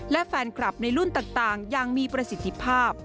และแฟนคลับในรุ่นต่างอย่างมีประสิทธิภาพ